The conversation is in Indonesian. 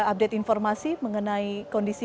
update informasi mengenai kondisi